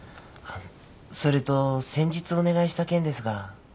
あのそれと先日お願いした件ですが。